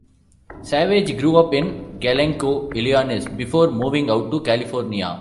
Savage grew up in Glencoe, Illinois, before moving out to California.